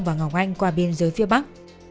và ngọc anh qua biên giới phía bắc